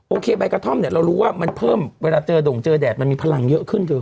ใบกระท่อมเนี่ยเรารู้ว่ามันเพิ่มเวลาเจอด่งเจอแดดมันมีพลังเยอะขึ้นเธอ